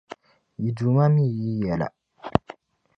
Yi Duuma mi yi yɛla.